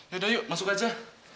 yaudah yuk masuk aja